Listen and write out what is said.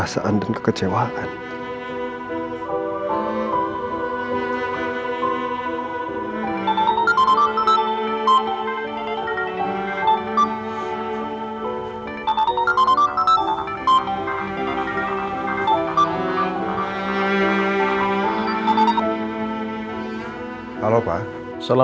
udah kayak yang tadi